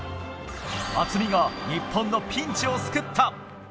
渥美が日本のピンチを救った。